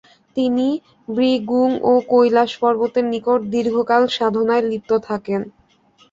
তিনি 'ব্রি-গুং ও কৈলাশ পর্বতের নিকট দীর্ঘকাল সাধনায় লিপ্ত থাকেন।